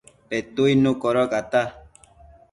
Petuidnu codocata